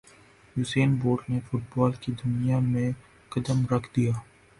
Usain bolt نے football کی دنیا میں قدم رکھ دیا